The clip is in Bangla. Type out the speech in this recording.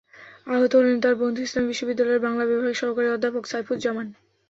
আহত হলেন তাঁর বন্ধু ইসলামী বিশ্ববিদ্যালয়ের বাংলা বিভাগের সহকারী অধ্যাপক সাইফুজ্জামান।